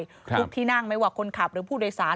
ทุกที่นั่งไม่ว่าคนขับหรือผู้โดยสาร